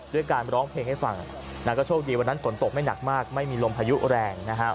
ด้วยการไปร้องเพลงให้ฟังนาฬิกนศ์โชคดีวันนั้นฝนตกไม่หนักเหรอไม่มีลมพายุแรง